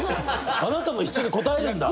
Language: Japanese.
あなたも一緒に答えるんだ！